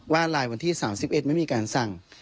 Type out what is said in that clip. ไลน์วันที่๓๑ไม่มีการสั่ง